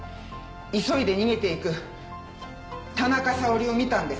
急いで逃げていく田中沙織を見たんです。